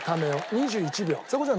２１秒。